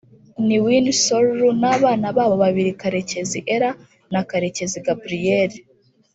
Niwin Sorlu n’abana babo babiri Karekezi Ellah na Karekezi Gabriel